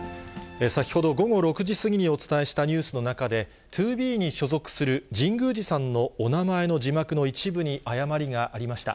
先ほど午後６時過ぎにお伝えしたニュースの中で、ＴＯＢＥに所属する神宮寺さんのお名前の字幕の一部に誤りがありました。